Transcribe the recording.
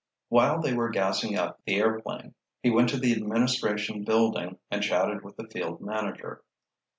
While they were gassing up the airplane, he went to the administration building and chatted with the field manager.